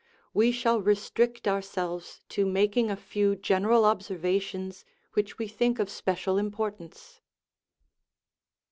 We shall restrict ourselves to mak ing a few general observations which we think of spe cial importance.